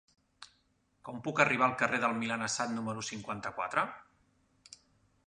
Com puc arribar al carrer del Milanesat número cinquanta-quatre?